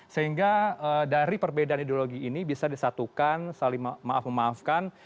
sehingga dari perbedaan ideologi ini bisa disatukan saling maaf memaafkan